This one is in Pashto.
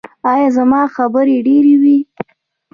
ایا زما خبرې ډیرې وې؟